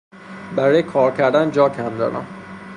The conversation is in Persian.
برای کار کردن جاکم دارم.